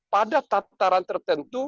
pada tataran tertentu